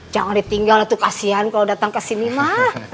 jangan ditinggal tuh kasihan kalau datang ke sini mah